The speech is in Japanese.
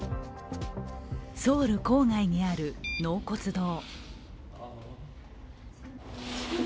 ソウル郊外にある納骨堂。